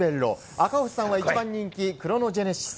赤星さんは１番人気、クロノジェネシス。